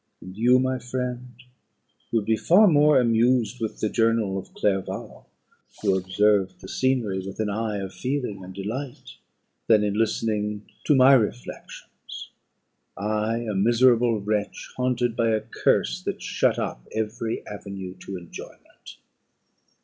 And you, my friend, would be far more amused with the journal of Clerval, who observed the scenery with an eye of feeling and delight, than in listening to my reflections. I, a miserable wretch, haunted by a curse that shut up every avenue to enjoyment.